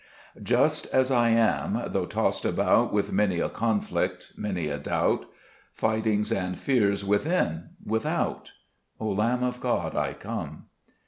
3 Just as I am, though tossed about With many a conflict, many a doubt, Fightings and fears within, without, O Lamb of God, I come.